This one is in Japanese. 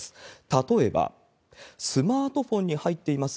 例えば、スマートフォンに入っています